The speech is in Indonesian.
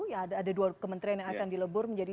ya ada dua kementerian yang akan dilebur menjadi